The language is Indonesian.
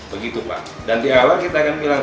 begitu pak dan di awal kita akan bilang